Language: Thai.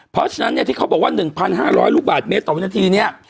เพราะฉะนั้นเนี่ยที่เขาบอกว่า๑๕๐๐ลูกบาทเมตรต่อวินาทีเนี่ย